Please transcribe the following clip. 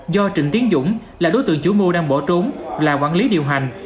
do trịnh tiến dũng là đối tượng chủ mưu đang bỏ trốn là quản lý điều hành